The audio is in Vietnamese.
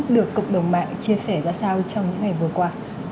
được cộng đồng mạng chia sẻ ra sao trong những ngày vừa qua